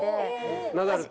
ナダルと？